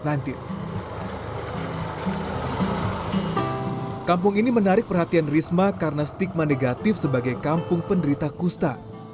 kampung ini menarik perhatian risma karena stigma negatif sebagai kampung penderita kusta